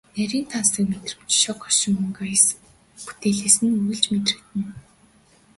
Нарийн тансаг мэдрэмж, шог хошин өнгө аяс бүтээлээс нь үргэлж мэдрэгдэнэ.